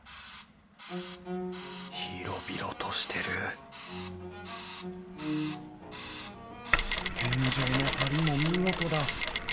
広々としてる天井の梁も見事だ！